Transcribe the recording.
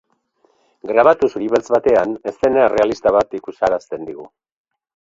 Grabatu zuri-beltz batean eszena errealista bat ikusarazten digu.